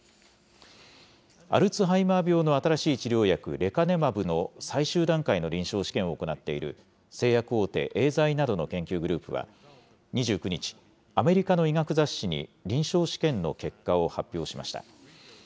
アルツハイマー病の新しい治療薬、レカネマブの最終段階の臨床試験を行っている製薬大手、エーザイなどの研究グループは２９日、アメリカの医学雑誌に臨床試験の結果を発表しました。